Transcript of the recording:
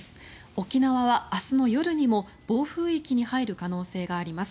沖縄は明日の夜にも暴風域に入る可能性があります。